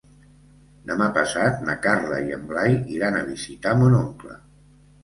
Demà passat na Carla i en Blai iran a visitar mon oncle.